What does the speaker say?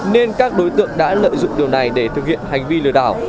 nên các đối tượng đã lợi dụng điều này để thực hiện hành vi lừa đảo